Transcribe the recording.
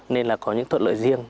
nên là có những thuận lợi riêng